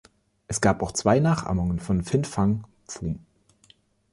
Es gab auch zwei Nachahmungen von Fin Fang Foom.